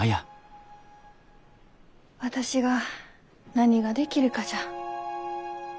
私が何ができるかじゃ。